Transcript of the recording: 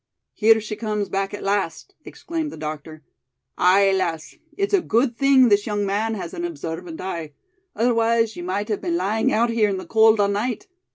"Here she comes back at last," exclaimed the doctor. "Aye, lass, it's a good thing this young man has an observant eye. Otherwise ye might have been lying out here in the cold all night.